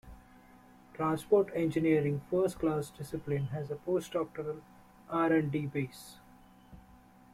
Transport Engineering first-class discipline has a post-doctoral R and D base.